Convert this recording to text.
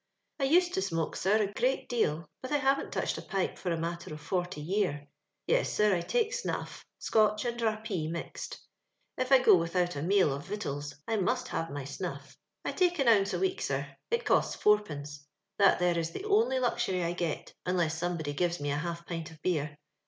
" I used to smoke, sir, a great deal, but I haven't touched a pipe for a matter of forty year. Yes, sir, I tiuce snnff, Seotch and Rap pee, mixed. If I go without a meal of vic tuals, I must have my snuff. I tiike an ounce a week. sir ; it costs fourpence — that there is the only luxury I get, unless somebody gives me a half pint of beer.